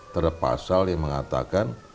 terhadap pasal yang mengatakan